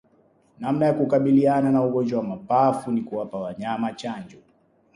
Namna ya kukabiliana na ugonjwa wa mapafu ni kuwapa wanyama chanjo